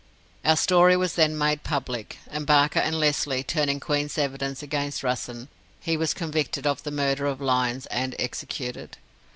Our story was then made public, and Barker and Lesly, turning Queen's evidence against Russen, he was convicted of the murder of Lyons, and executed.